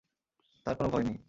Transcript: তার কোন ভয় নেই।